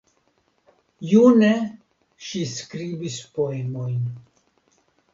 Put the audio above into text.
June ŝi skribis poemojn.